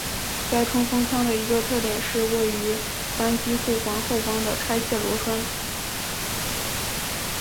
该冲锋枪的一个特点是位于扳机护环后方的拆卸螺栓。